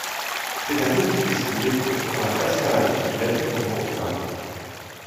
C'est un édifice de béton dont la façade suit l'alignement de la rue.